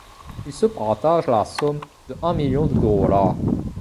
Ils se partagent la somme de un million de dollars.